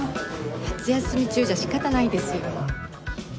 夏休み中じゃ仕方ないですよ。